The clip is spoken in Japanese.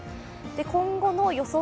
今後の予想